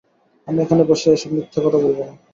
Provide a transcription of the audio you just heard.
আমি এখানে বসে এসব মিথ্যা কথা বলবো না।